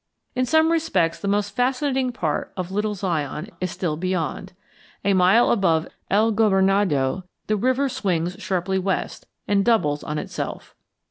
In some respects the most fascinating part of Little Zion is still beyond. A mile above El Gobernador the river swings sharply west and doubles on itself.